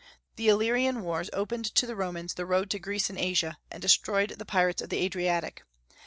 The Illyrian wars opened to the Romans the road to Greece and Asia, and destroyed the pirates of the Adriatic.